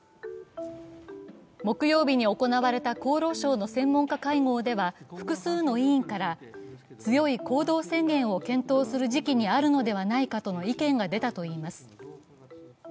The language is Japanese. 木曜日に行われた厚労省の専門家会合では、複数の委員から強い行動制限を検討する時期にあるのではないかとの意見が出たといいます。